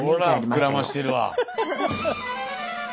ほら膨らましてるわ。